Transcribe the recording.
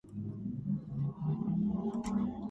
აღმართულია დიალბერეტის მთასა და მდინარე რონის ხეობას შორის.